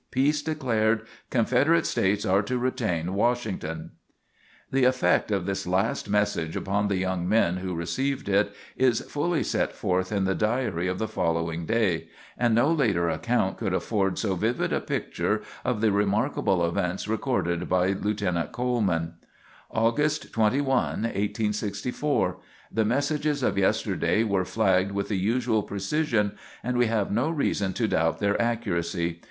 Peace declared. Confederate States are to retain Washington." The effect of this last message upon the young men who received it is fully set forth in the diary of the following day, and no later account could afford so vivid a picture of the remarkable events recorded by Lieutenant Coleman: "August 21, 1864. The messages of yesterday were flagged with the usual precision, and we have no reason to doubt their accuracy.